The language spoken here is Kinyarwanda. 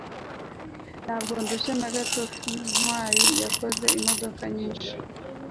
ntabwo ndushye na gato ntwali yakoze imodoka nyinshi